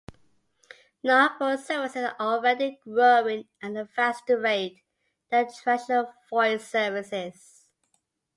Non-voice services are already growing at a faster rate than traditional voice services.